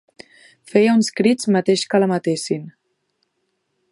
Feia uns crits mateix que la matessin.